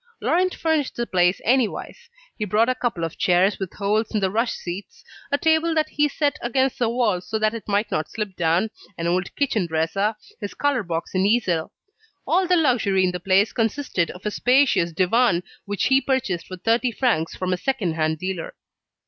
Laurent furnished the place anywise; he brought a couple of chairs with holes in the rush seats, a table that he set against the wall so that it might not slip down, an old kitchen dresser, his colour box and easel; all the luxury in the place consisted of a spacious divan which he purchased for thirty francs from a second hand dealer.